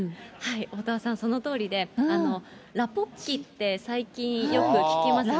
おおたわさん、そのとおりで、ラポッキって、最近よく聞きますね。